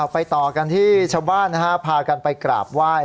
ไปต่อกันที่ชาวบ้านพากันไปกราบไหว้